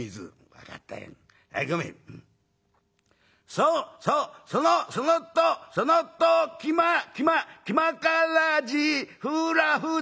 「そそそのそのとそのときまきまきまからじふらふざふはふうん？